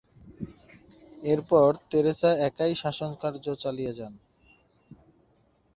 এরপর তেরেসা একাই শাসনকার্য চালিয়ে যান।